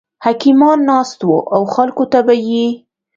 حکیمان ناست وو او خلکو ته به یې